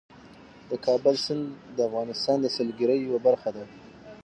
د کابل سیند د افغانستان د سیلګرۍ یوه برخه ده.